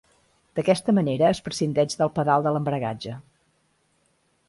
D'aquesta manera es prescindeix del pedal de l'embragatge.